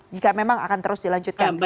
jika memang akan terus dilanjutkan